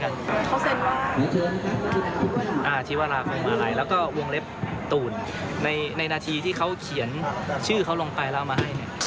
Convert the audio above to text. เขาเซ็นว่าชีวราคงมาลัยแล้วก็วงเล็บตูนในนาทีที่เขาเขียนชื่อเขาลงไปแล้วเอามาให้เนี่ย